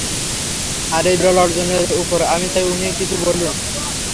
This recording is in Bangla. আর এই বিরল অর্জনের উপর, আমি চাই উনি কিছু বলুন।